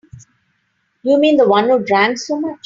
You mean the one who drank so much?